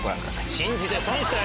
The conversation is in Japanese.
信じて損したよ！